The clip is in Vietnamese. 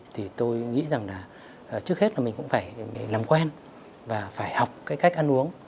thì tôi nghĩ rằng là trước hết là mình cũng phải làm quen và phải học cái cách ăn uống